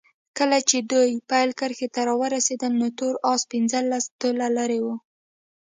کله چې دوی پیل کرښې ته راورسېدل نو تور اس پنځلس طوله لرې وو.